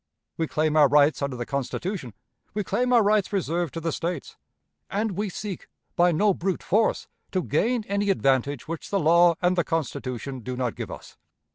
We claim our rights under the Constitution; we claim our rights reserved to the States; and we seek by no brute force to gain any advantage which the law and the Constitution do not give us.